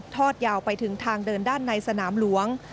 ทอดยาวไปถึงทางเดินด้านในสนามหลวง